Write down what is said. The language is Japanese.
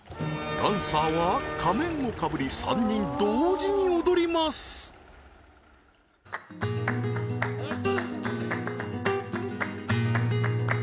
ダンサーは仮面をかぶり３人同時に踊りますえっ？